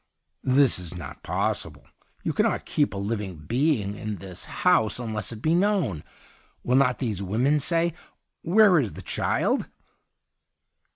' This is not possible. You cannot keep a living being in this house 119 THE UNDYING THING unless it be known. Will not these women say, "Where is the child?"